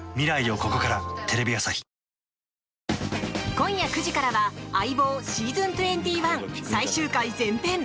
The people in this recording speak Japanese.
今夜９時からは「相棒ｓｅａｓｏｎ２１」最終回前編。